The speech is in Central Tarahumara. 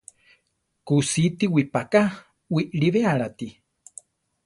Kusíti wipaká wiʼlibéalati.